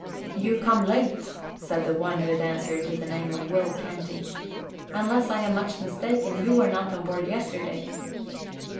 "You come late," said the one who had answered to the name of Will Canty. "Unless I am much mistaken, you were not on board yesterday."